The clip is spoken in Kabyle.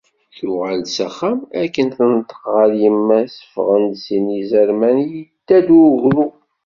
Tuɣal-d s axxam, akken tenṭeq ɣer yemma-s, ﬀɣen-d sin yizerman, yedda-d ugru.